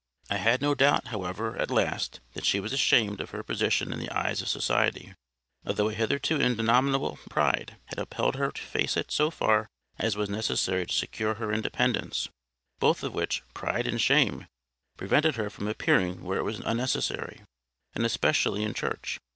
I had no doubt, however, at last, that she was ashamed of her position in the eyes of society, although a hitherto indomitable pride had upheld her to face it so far as was necessary to secure her independence; both of which—pride and shame—prevented her from appearing where it was unnecessary, and especially in church.